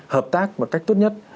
hợp tác một cách tốt nhất